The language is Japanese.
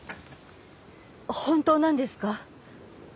本当なんですか？